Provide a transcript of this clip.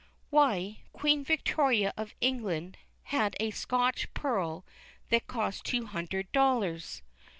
Why, Queen Victoria of England had a Scotch pearl that cost two hundred dollars.